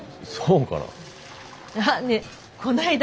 そうかな。